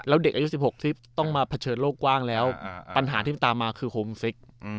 แล้วเด็กอายุ๑๖ที่ต้องมาเผชิญโลกกว้างแล้วปัญหาที่มันตามมาคือโฮมซิก